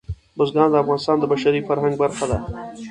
بزګان د افغانستان د بشري فرهنګ برخه ده.